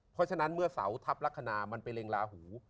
เพราะฉะนั้นเมื่อเสาทัพลักษณะมันไปเร็งลาหู